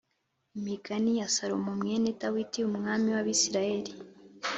imigani ya salomo mwene dawidi, umwami w’abisirayeli